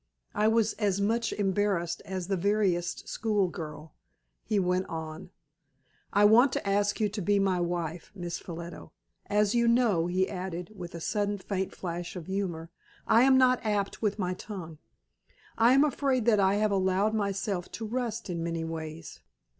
I was as much embarrassed as the veriest schoolgirl. He went on "I want to ask you to be my wife. Miss Ffolliot. As you know," he added, with a sudden faint flash of humor, "I am not apt with my tongue. I am afraid that I have allowed myself to rust in many ways.